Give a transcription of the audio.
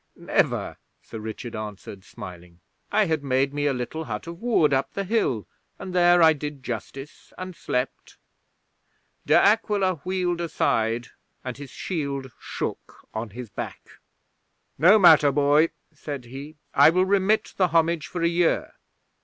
'Never,' Sir Richard answered, smiling. 'I had made me a little hut of wood up the hill, and there I did justice and slept ... De Aquila wheeled aside, and his shield shook on his back. "No matter, boy," said he. "I will remit the homage for a year."'